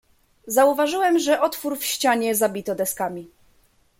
"Zauważyłem, że otwór w ścianie zabito deskami."